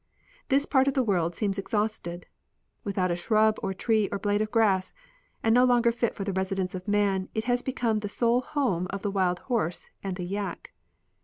This part of the world seems exhausted. " With out a shrub or tree or blade of grass," and no longer fit for the residence of man, it has become the sole home of the wild horse and the yak.